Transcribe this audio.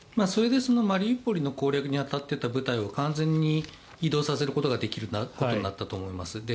マリウポリの攻略に当たっていた部隊を完全に移動させることができるようになったと思います。